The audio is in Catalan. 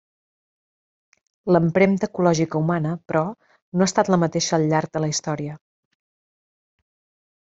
L'empremta ecològica humana però no ha estat la mateixa al llarg de la història.